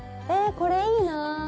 えこれいいなぁ